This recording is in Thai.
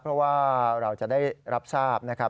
เพราะว่าเราจะได้รับทราบนะครับ